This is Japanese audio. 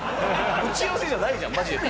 打ち合わせじゃないじゃんマジで。